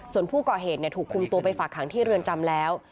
ส่วนผู้ก่อเหตุถูกคุมตัวไปฝากหางที่เรือนจำแล้ว